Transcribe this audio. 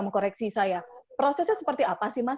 mengkoreksi saya prosesnya seperti apa sih mas